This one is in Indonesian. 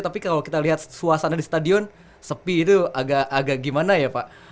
tapi kalau kita lihat suasana di stadion sepi itu agak gimana ya pak